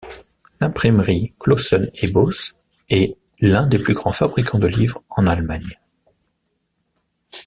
L'imprimerie Clausen & Bosse est l'un des plus grands fabricants de livres en Allemagne.